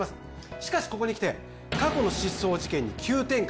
しかしここにきて過去の失踪事件に急展開